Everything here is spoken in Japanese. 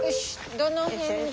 どの辺だ？